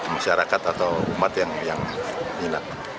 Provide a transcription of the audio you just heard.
masyarakat atau umat yang minat